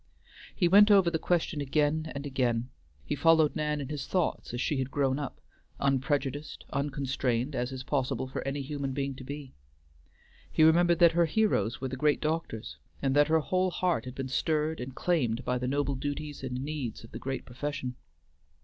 He went over the question again and again; he followed Nan in his thoughts as she had grown up, unprejudiced, unconstrained as is possible for any human being to be. He remembered that her heroes were the great doctors, and that her whole heart had been stirred and claimed by the noble duties and needs of the great profession.